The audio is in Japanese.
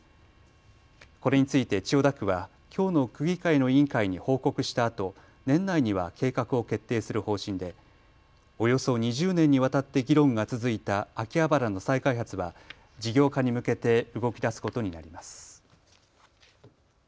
これについて千代田区はきょうの区議会の委員会に報告したあと年内には計画を決定する方針でおよそ２０年にわたって議論が続いた秋葉原の再開発は事業化に向けて動きだすことになります。